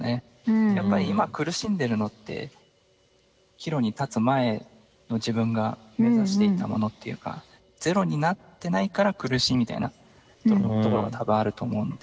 やっぱり今苦しんでるのって岐路に立つ前の自分が目指していたものっていうかゼロになってないから苦しいみたいなところがたぶんあると思うんで。